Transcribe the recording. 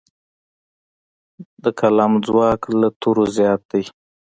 د قلم ځواک له تورو زیات دی.